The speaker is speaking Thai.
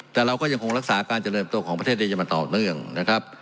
แต่เราก็ยังคงรักษาการเจริญตัวของประเทศนี้จะมาต่อเนื่องนะครับ